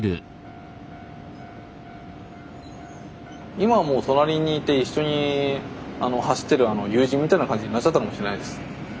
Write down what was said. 今はもう隣にいて一緒に走ってる友人みたいな感じになっちゃったのかもしれないです。